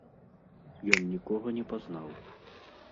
Ён нікога не пазнаў.